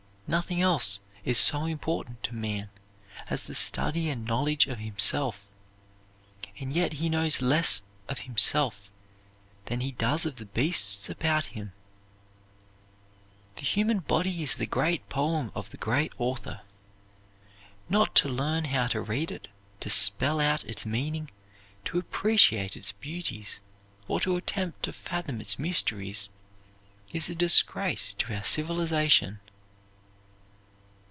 Nothing else is so important to man as the study and knowledge of himself, and yet he knows less of himself than he does of the beasts about him. The human body is the great poem of the Great Author. Not to learn how to read it, to spell out its meaning, to appreciate its beauties, or to attempt to fathom its mysteries, is a disgrace to our civilization.